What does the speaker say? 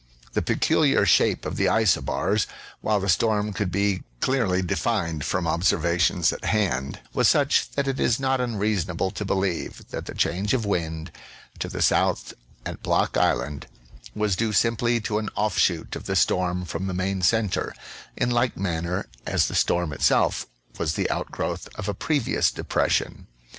The peculiar shape of the isobars, while the storm could be clearly defined from observations at hand, was such that it is not unreasonable to believe that the change of wind . to the south at Block Island was due simply to an off shoot of the storm from the main centre, in like manner as the storm itself was the outgrowth of a previous depression.